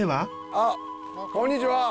あっこんにちは。